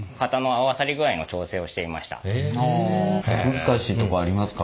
難しいとこありますか？